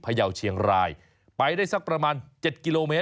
พยาวชีางรายไปได้สักประมาณ๗กม